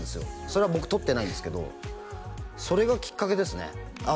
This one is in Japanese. それは僕撮ってないんですけどそれがきっかけですね